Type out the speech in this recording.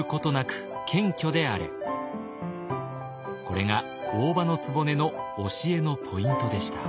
これが大姥局の教えのポイントでした。